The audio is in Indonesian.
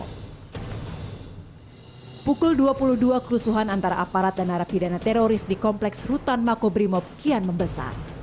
pukul dua puluh dua kerusuhan antara aparat dan narapidana teroris di kompleks rutan makobrimob kian membesar